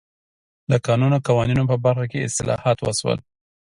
د کانونو قوانینو په برخه کې اصلاحات وشول.